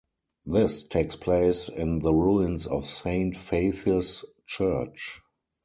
This takes place in the ruins of Saint Faith's Church.